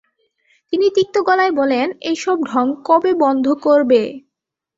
তিনি তিক্ত গলায় বলেন, এইসব ঢং কবে বন্ধ করবে?